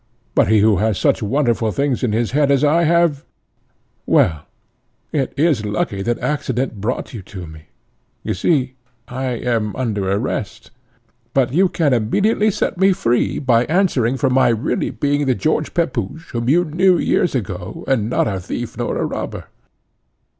But he who has such wonderful things in his head as I have Well, it is lucky that accident brought you to me! You see I am under arrest, but you can immediately set me free, by answering for my being really the George Pepusch, whom you knew years ago, and not a thief nor a robber."